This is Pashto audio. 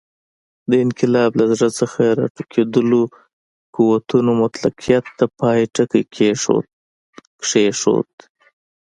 د انقلاب له زړه څخه راټوکېدلو قوتونو مطلقیت ته پای ټکی کېښود.